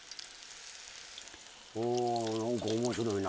おなんか面白いな。